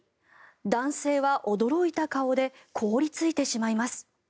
男性は驚いた顔で凍りついてしまいます。